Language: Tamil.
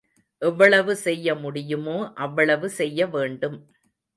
எவ்வளவு செய்ய முடியுமோ அவ்வளவு செய்ய வேண்டும்.